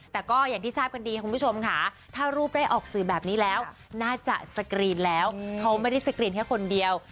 แต่ก็อย่างที่ทราบกันดีคุณผู้ชมค่ะถ้ารูปได้ออกสื่อแบบนี้แล้วน่าจะสกรีนแล้วเขาไม่ได้สกรีนแค่คนเดียว